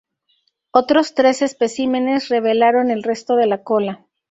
Otros tres especímenes revelaron el resto de la cola.